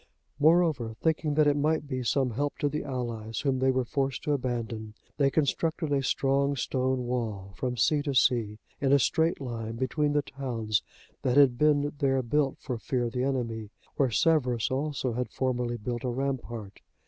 Moreover, thinking that it might be some help to the allies, whom they were forced to abandon, they constructed a strong stone wall from sea to sea, in a straight line between the towns that had been there built for fear of the enemy, where Severus also had formerly built a rampart.